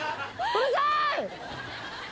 うるさい！